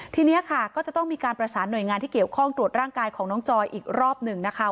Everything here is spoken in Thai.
ทีนี้ค่ะก็จะต้องมีการประสานหน่วยงานที่เกี่ยวข้องตรวจร่างกายของน้องจอยอีกรอบหนึ่งนะคะ